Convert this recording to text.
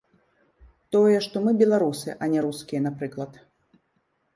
Тое, што мы беларусы, а не рускія, напрыклад.